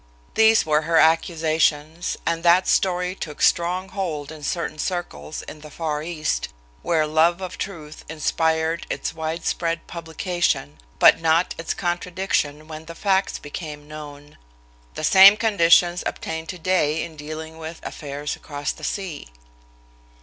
These were her accusations, and that story took strong hold in certain circles in the far East, where "love of truth" inspired its widespread publication, but not its contradiction when the facts became known. The same conditions obtain to day in dealing with affairs across the sea.